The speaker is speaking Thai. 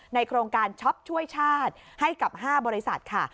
โครงการช็อปช่วยชาติให้กับ๕บริษัทค่ะ